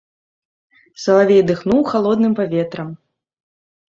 Салавей дыхнуў халодным паветрам.